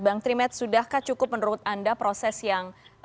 bang trimet sudahkah cukup menurut anda proses yang